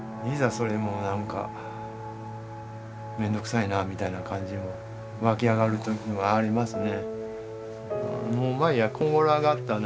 それもなんか面倒くさいなみたいな感じに湧き上がる時もありますね。